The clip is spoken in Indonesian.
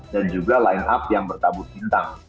dan juga line up yang bertabur cintang